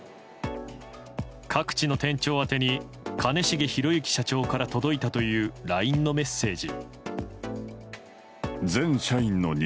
各地の店長宛てに兼重宏行社長から届いたというＬＩＮＥのメッセージ。